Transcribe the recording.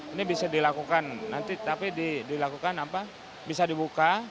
ini bisa dilakukan nanti tapi dilakukan apa bisa dibuka